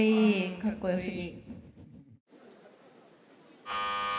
かっこよすぎ。